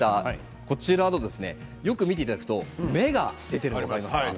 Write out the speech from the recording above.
こちら、よく見ていただくと芽が出ていますね。